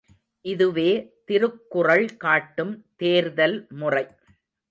இதுவே திருக்குறள் காட்டும் தேர்தல் முறை.